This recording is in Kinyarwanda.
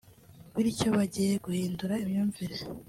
bityo bagiye guhindura imyumvire